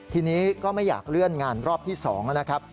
ทีนี้ก็ไม่อยากเลื่อนงานรอบที่๒นะครับ